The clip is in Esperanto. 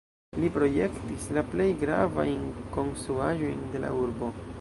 Li projektis la plej gravajn konstruaĵojn de la urbo.